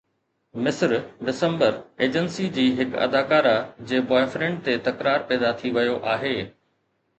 مصر December agency جي هڪ اداڪارا جي بوائے فرينڊ تي تڪرار پيدا ٿي ويو آهي